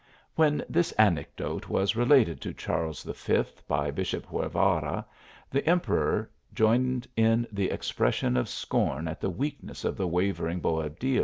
When this anecdote was related to Charles V., by Bishop Guevara, the emperor joined in the expres sion of scorn at the weakness of the wavering Boab di).